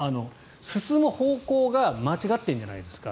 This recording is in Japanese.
進む方向が間違っているんじゃないですか。